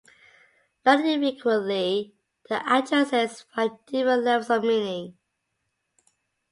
Not infrequently, the addressees find different levels of meaning.